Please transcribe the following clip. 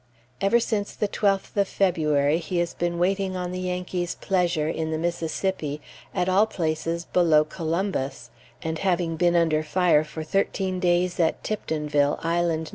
Ever since the 12th of February he has been waiting on the Yankees' pleasure, in the Mississippi, at all places below Columbus, and having been under fire for thirteen days at Tiptonville, Island No.